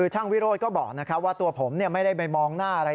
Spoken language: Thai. ช่างวิโรธก็บอกว่าตัวผมไม่ได้ไปมองหน้าอะไร